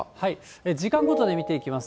時間ごとで見ていきます。